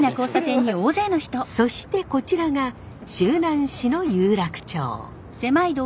そしてこちらが周南市の有楽町。